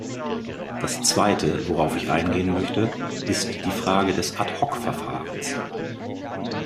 Das zweite, worauf ich eingehen möchte, ist die Frage des Ad-hoc-Verfahrens.